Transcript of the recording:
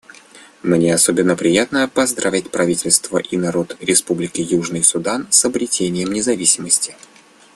Мне особенно приятно поздравить правительство и народ Республики Южный Судан с обретением независимости.